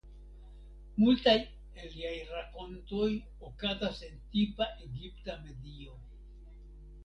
Multaj el liaj rakontoj okazas en tipa egipta medio.